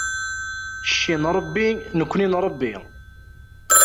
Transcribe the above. Cci n Ṛebbi, nekni n Ṛebbi.